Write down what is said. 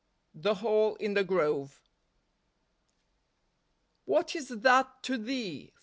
The Hall in the Grove. " IHiaf is that to thee?